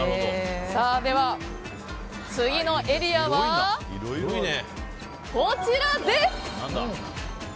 では、次のエリアはこちらです！